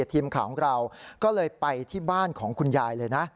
ทีมข่าวของเราก็เลยไปที่บ้านของคุณยายเลยนะ